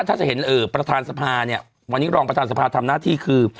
ถ้าจะเห็นประธานสภาเนี่ยวันนี้รองประธานสภาทำหน้าที่คือ